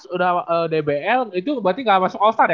udah dbl itu berarti gak masuk all star ya